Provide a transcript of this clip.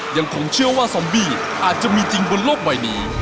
ยังคงเชื่อว่าซอมบี้อาจจะมีจริงบนโลกใบนี้